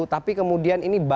tapi kemudian ini berubah